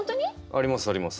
ありますあります。